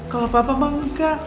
kalau papa bangga